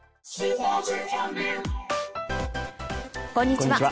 こんにちは。